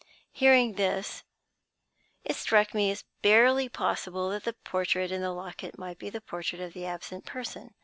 "Hearing this, it struck me as barely possible that the portrait in the locket might be the portrait of the absent person.